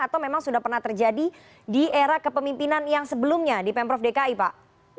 atau memang sudah pernah terjadi di era kepemimpinan yang sebelumnya di pemprov dki pak